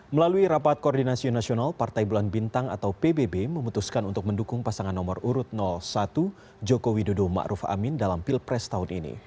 melalui rapat koordinasi nasional partai bulan bintang atau pbb memutuskan untuk mendukung pasangan nomor urut satu joko widodo ⁇ maruf ⁇ amin dalam pilpres tahun ini